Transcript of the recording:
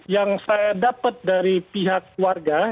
yang saya dapat dari pihak warga